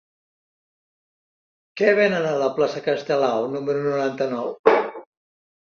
Què venen a la plaça de Castelao número noranta-nou?